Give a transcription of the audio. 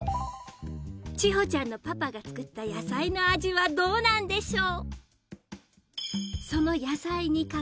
千穂ちゃんのパパが作った野菜の味はどうなんでしょう？